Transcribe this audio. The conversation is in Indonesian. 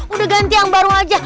udah ganti yang baru aja